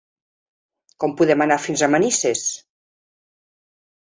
Com podem anar fins a Manises?